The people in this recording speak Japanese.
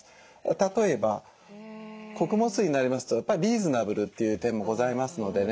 例えば穀物酢になりますとやっぱりリーズナブルという点もございますのでね